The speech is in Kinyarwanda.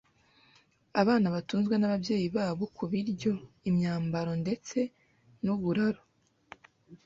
Abana batunzwe nababyeyi babo kubiryo, imyambaro ndetse nuburaro.